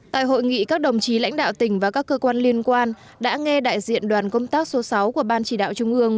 tại hội nghị các đồng chí lãnh đạo tỉnh và các cơ quan liên quan đã nghe đại diện đoàn công tác số sáu của ban chỉ đạo trung ương